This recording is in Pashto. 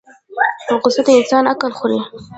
غصه د انسان عقل خوري